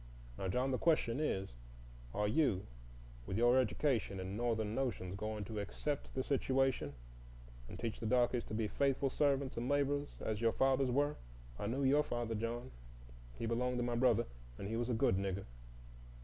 Now, John, the question is, are you, with your education and Northern notions, going to accept the situation and teach the darkies to be faithful servants and laborers as your fathers were,—I knew your father, John, he belonged to my brother, and he was a good Nigger.